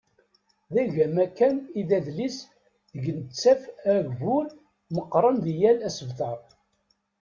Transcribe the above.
D agama kan i d adlis deg nettaf agbur meqqren di yal asebter.